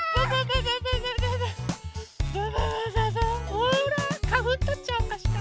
ほらかふんとっちゃおうかしら？